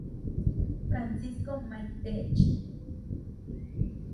Francisco May Pech.